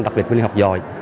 đặc biệt huyện học giỏi